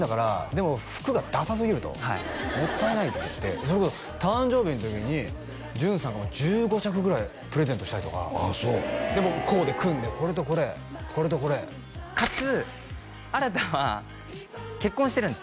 「でも服がダサすぎる」とはい「もったいない」って言ってそれこそ誕生日の時に淳さんが１５着ぐらいプレゼントしたりとかでもうコーデ組んでこれとこれこれとこれかつ新太は結婚してるんですよ